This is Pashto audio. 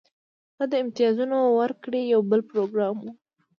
دا د امتیازونو ورکړې یو بل پروګرام و